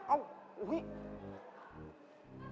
อ้าวอุ๊ย